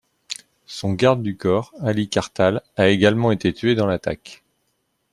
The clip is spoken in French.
Son garde du corps, Ali Kartal, a également été tué dans l'attaque.